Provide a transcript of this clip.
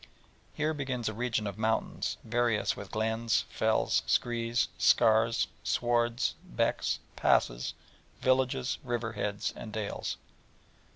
Here begins a region of mountain, various with glens, fells, screes, scars, swards, becks, passes, villages, river heads, and dales.